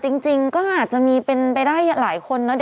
แต่จริงก็อาจจะมีไปได้หลายคนนะ